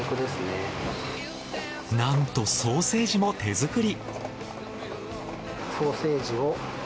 なんとソーセージも手作り。